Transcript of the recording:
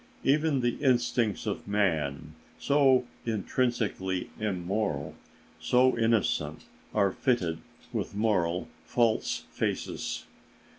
Even the instincts of man, so intrinsically immoral, so innocent, are fitted with moral false faces.